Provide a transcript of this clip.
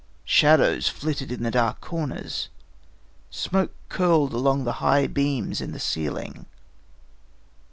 Shadows flitted in the dark corners. Smoke curled along the high beams in the ceiling.